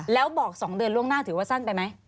แล้วบอก๒เดือนล่วงหน้าถือว่าสั้นไปไหม